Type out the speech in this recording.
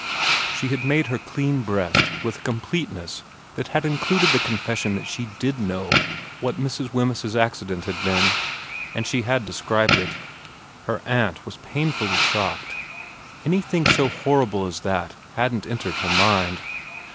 She had made her clean breast with a completeness that had included the confession that she did know what Mrs. Wemyss's accident had been, and she had described it. Her aunt was painfully shocked. Any thing so horrible as that hadn't entered her mind.